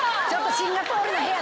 シンガポールの部屋